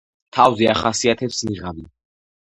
თავზე ახასიათებს „ნიღაბი“.